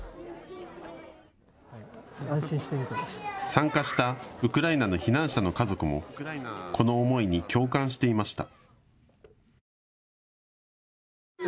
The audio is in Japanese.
参加したウクライナの避難者の家族もこの思いに共感していました。